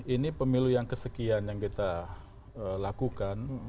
ini pemilu yang kesekian yang kita lakukan